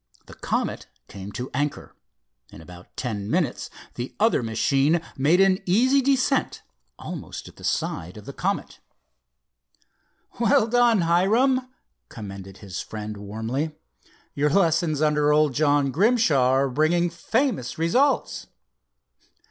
The Comet came to anchor. In about ten minutes the other machine made an easy descent almost at the side of the Comet. "Well done, Hiram," commended his friend, warmly. "Your lessons under old John Grimshaw are bringing famous results."